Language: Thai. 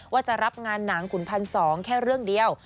ว่าจะรับงานหนังขุนพันสองแค่เรื่องเดียว